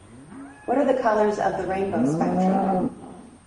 What are the colours of the rainbow spectrum?